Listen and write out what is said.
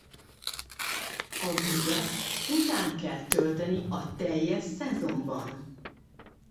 A vizet után kell tölteni a teljes szezonban.